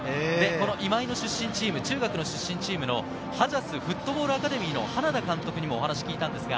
今井の出身チーム、ハジャスフットボールアカデミーの花田監督にもお話を伺いました。